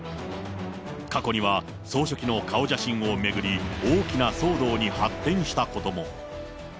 過去には、総書記の顔写真を巡り、大きな騒動に発展したことも。